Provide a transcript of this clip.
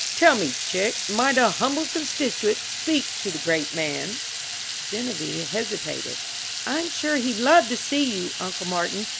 Tell me, chick, might a humble constituent speak to the great man?" Genevieve hesitated. "I'm sure he'd love to see you, Uncle Martin.